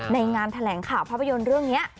งานแถลงข่าวภาพยนตร์เรื่องนี้